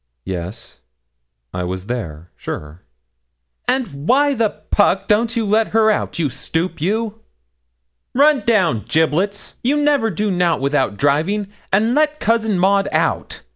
Yes, I was there, sure. 'And why the puck don't you let her out, you stupe, you?' 'Run down, Giblets, you never do nout without driving, and let Cousin Maud out.